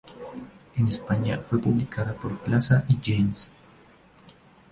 En España fue publicada por Plaza y Janes.